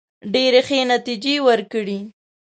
ډېري ښې نتیجې وورکړې.